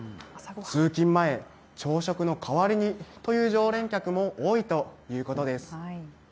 通勤前、朝食の代わりにという常連客も多いということです。